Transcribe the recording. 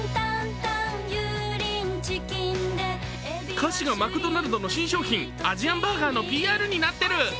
歌詞がマクドナルドの新商品、アジアンバーガーのＰＲになってる！